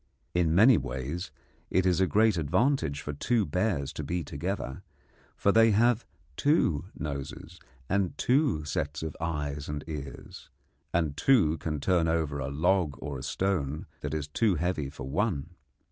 In many ways it is a great advantage for two bears to be together, for they have two noses and two sets of eyes and ears, and two can turn over a log or a stone that is too heavy for one.